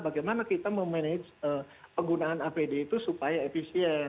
bagaimana kita memanage penggunaan apd itu supaya efisien